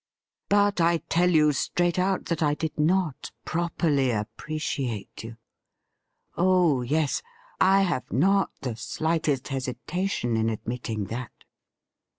But I tell you straight out that I did not properly appreciate you. Oh yes. I have not the slightest hesitation in admitting that.